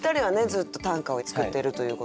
ずっと短歌を作っているということで。